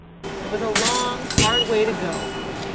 It was a long, hard way to go.